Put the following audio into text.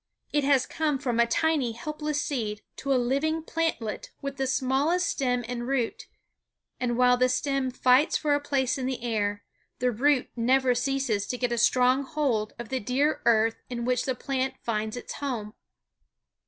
It has come from a tiny helpless seed to a living plantlet with the smallest stem and root, and while the stem fights for a place in the air the root never ceases to get a strong hold of the dear earth in which the plant finds its home.